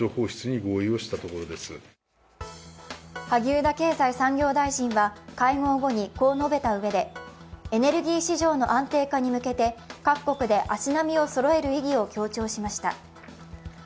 萩生田経済産業大臣は会合後にこう述べたうえで、エネルギー市場の安定化に向けて各国で足並みをそろえる意義を強調しました。